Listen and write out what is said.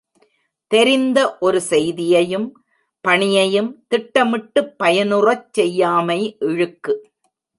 தெரிந்த ஒரு செய்தியையும் பணியையும் திட்டமிட்டுப் பயனுறச் செய்யாமை இழுக்கு.